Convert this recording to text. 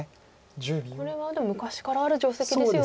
これはでも昔からある定石ですよね。